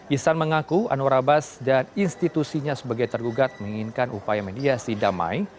isan mengaku anu warabas dan institusinya sebagai tergugat menginginkan upaya mediasi damai